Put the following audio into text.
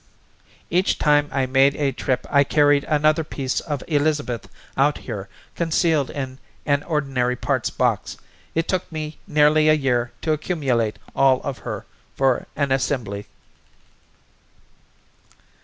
"Each time I made a trip I carried another piece of Elizabeth out here concealed in an ordinary parts box. It took me nearly a year to accumulate all of her for an assembly."